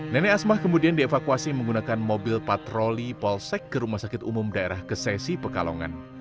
nenek asmah kemudian dievakuasi menggunakan mobil patroli polsek ke rumah sakit umum daerah kesesi pekalongan